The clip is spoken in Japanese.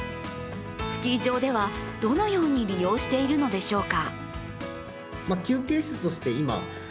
スキー場ではどのように利用しているのでしょうか。